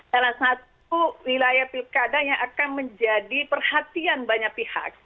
salah satu wilayah pilkada yang akan menjadi perhatian banyak pihak